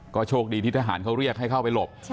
ก็โชคดีที่ทหารเขาเรียกให้เข้าไปหลบ